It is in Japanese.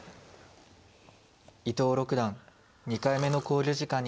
伊藤六段２回目の考慮時間に入りました。